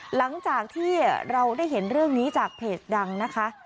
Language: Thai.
หลังจากที่เราได้เห็นเรื่องนี้จากเพจดังนะคะ